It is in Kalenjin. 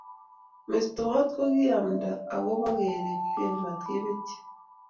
Mestowot kokiamda agobo keribke matkepetye